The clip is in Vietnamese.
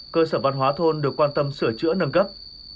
cơ sở văn hóa thôn được quan tâm sửa chữa nâng cấp